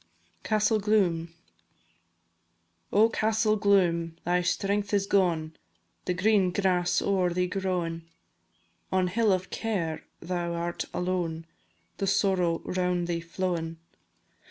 CASTELL GLOOM. Oh, Castell Gloom! thy strength is gone, The green grass o'er thee growin'; On hill of Care thou art alone, The Sorrow round thee flowin'.